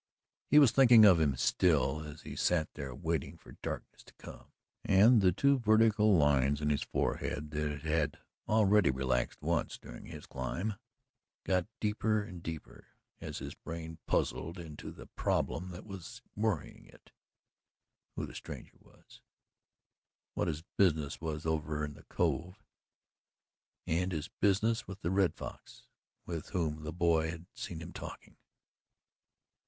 He was thinking of him still, as he sat there waiting for darkness to come, and the two vertical little lines in his forehead, that had hardly relaxed once during his climb, got deeper and deeper, as his brain puzzled into the problem that was worrying it: who the stranger was, what his business was over in the Cove and his business with the Red Fox with whom the boy had seen him talking.